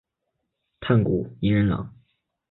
炭谷银仁朗。